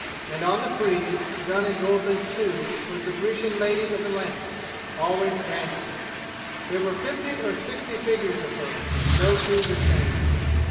And on the frieze, done in gold leaf too, was the Grecian lady of the lamps, always dancing. There were fifty or sixty figures of her, no two the same.